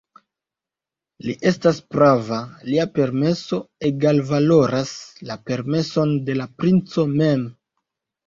Li estas prava; lia permeso egalvaloras la permeson de la princo mem.